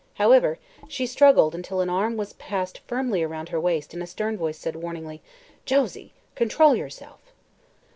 However, she struggled until an arm was passed firmly around her waist and a stern voice said warningly: "Josie! Control yourself."